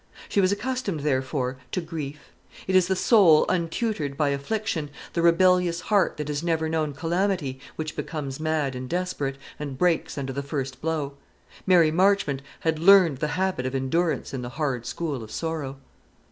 She was accustomed, therefore, to grief. It is the soul untutored by affliction, the rebellious heart that has never known calamity, which becomes mad and desperate, and breaks under the first blow. Mary Marchmont had learned the habit of endurance in the hard school of sorrow.